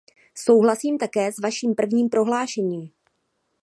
Souhlasím také s vaším prvním prohlášením.